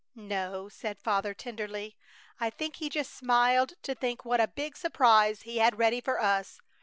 "No," said Father, tenderly, "I think He just smiled to think what a big surprise He had ready for us.